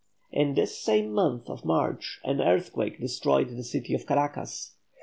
In this same month of March an earthquake destroyed the city of Caracas.